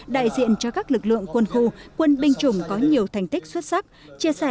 đại diện cho các lực lượng quân khu quân binh chủng có nhiều thành tích xuất sắc